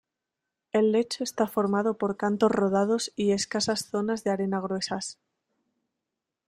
El lecho está formado por cantos rodados y escasas zonas de arenas gruesas.